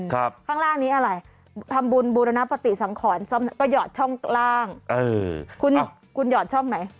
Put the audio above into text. ข้างล่างนี้อะไรทำบุญบูรณปฏิสังขรก็หยอดช่องล่างเออคุณคุณหอดช่องไหน